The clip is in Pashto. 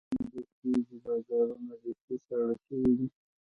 څه موده کېږي، بازارونه بیخي ساړه شوي دي.